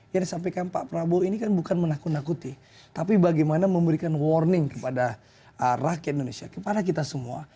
yang disampaikan pak prabowo ini kan bukan menakut nakuti tapi bagaimana memberikan warning kepada rakyat indonesia kepada kita semua